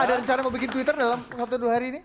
ada rencana mau bikin twitter dalam waktu dua hari ini